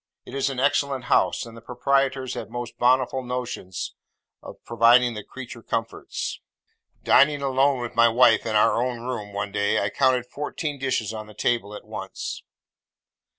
It is an excellent house, and the proprietors have most bountiful notions of providing the creature comforts. Dining alone with my wife in our own room, one day, I counted fourteen dishes on the table at once.